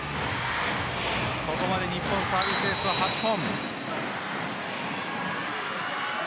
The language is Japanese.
ここまで日本サービスエースは８本。